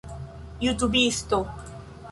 jutubisto